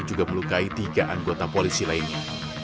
juga melukai tiga anggota polisi lainnya